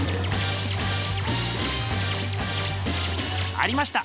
ありました。